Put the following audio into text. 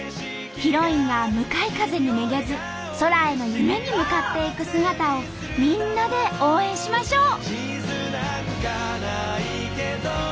ヒロインが向かい風にめげず空への夢に向かっていく姿をみんなで応援しましょう！